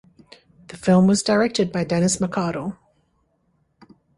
The film was directed by Denis McArdle.